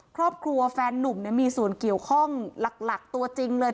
แฟนนุ่มมีส่วนเกี่ยวข้องหลักตัวจริงเลย